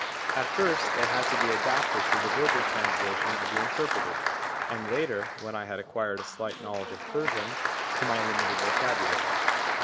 At first they had to be adapted to the verbal translation of the interpreter; and later, when I had acquired a slight knowledge of Persian, to my limited vocabulary.